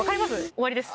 終わりです。